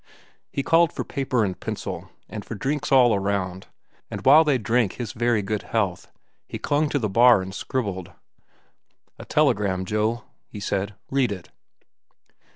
He called for paper and pencil, and for drinks all around, and while they drank his very good health, he clung to the bar and scribbled. "A telegram, Joe," he said. "Read it."